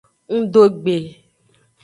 Ngdo gbe.